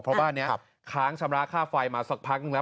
เพราะบ้านนี้ค้างชำระค่าไฟมาสักพักนึงแล้ว